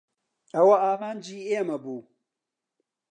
ئەوە ئامانجی ئێمە بوو.